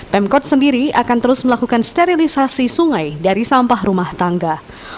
pemkot sendiri akan terus melakukan sterilisasi sungai dari sampah rumah tangga